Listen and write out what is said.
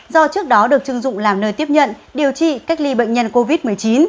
do trước đó được chưng dụng làm nơi tiếp nhận điều trị cách ly bệnh nhân covid một mươi chín